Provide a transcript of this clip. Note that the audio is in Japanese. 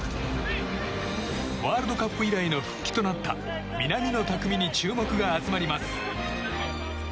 ワールドカップ以来の復帰となった南野拓実に注目が集まります。